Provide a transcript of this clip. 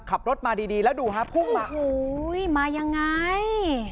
ขับรถมาดีดีแล้วดูฮะพุ่งมาโอ้โหมายังไง